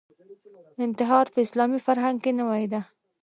انتحار په اسلامي فرهنګ کې نوې ده